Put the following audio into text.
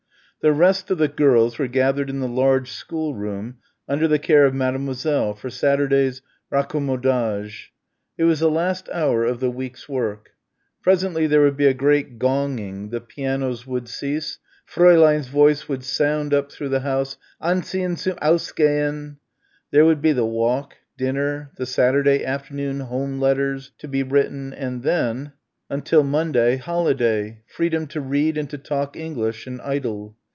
The rest of the girls were gathered in the large schoolroom under the care of Mademoiselle for Saturday's raccommodage. It was the last hour of the week's work. Presently there would be a great gonging, the pianos would cease, Fräulein's voice would sound up through the house "Anziehen zum Aus geh hen!" There would be the walk, dinner, the Saturday afternoon home letters to be written and then, until Monday, holiday, freedom to read and to talk English and idle.